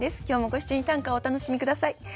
今日もご一緒に短歌をお楽しみ下さい。